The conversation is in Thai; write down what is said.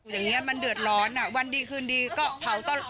อย่างนี้มันเดือดร้อนอ่ะวันดีคืนดีก็เผาตลอด